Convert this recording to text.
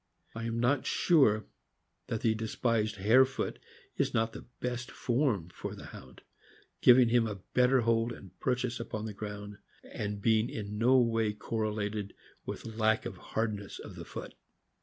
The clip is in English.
I am not sure that the despised hare foot is not the best form for the Hound; giving him a better hold and purchase upon the ground, and being in no way correlated with lack of hardness of the foot.